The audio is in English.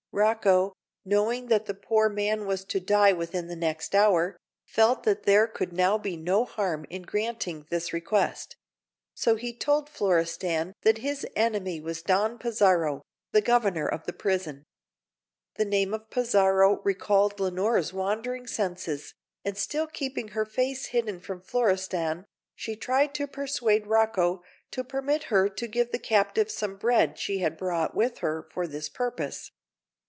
Rocco, knowing that the poor man was to die within the next hour, felt that there could now be no harm in granting this request; so he told Florestan that his enemy was Don Pizarro, the Governor of the prison. The name of Pizarro recalled Leonora's wandering senses; and still keeping her face hidden from Florestan, she tried to persuade Rocco to permit her to give the captive some bread she had brought with her for this purpose.